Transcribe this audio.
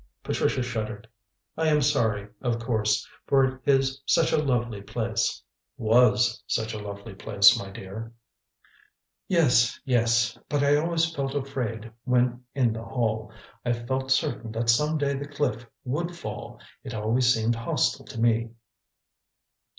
Patricia shuddered. "I am sorry, of course, for it is such a lovely place." "Was such a lovely place, my dear." "Yes! Yes! But I always felt afraid when in the Hall. I felt certain that some day the cliff would fall. It always seemed hostile to me."